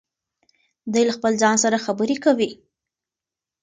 دی له خپل ځان سره خبرې کوي.